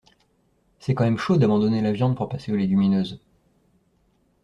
C'est quand même chaud d'abandonner la viande pour passer aux légumineuses.